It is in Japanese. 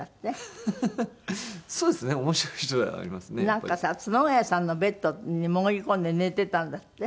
なんかさ角替さんのベッドに潜り込んで寝てたんだって？